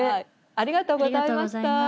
・ありがとうございます。